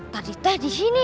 tadi teh di sini